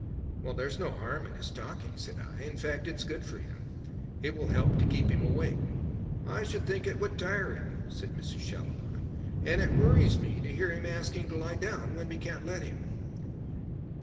"There's no harm in his talking," said I; "in fact it's good for him. It will help to keep him awake." "I should think it would tire him," said Mrs. Schallibaum; "and it worries me to hear him asking to lie down when we can't let him."